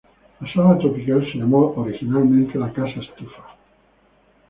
La Sala Tropical se llamó originalmente la casa estufa.